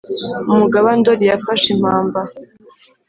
umugaba ndori yafashe impamba